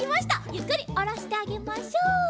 ゆっくりおろしてあげましょう。